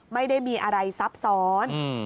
ไม่ได้มีอะไรซับซ้อน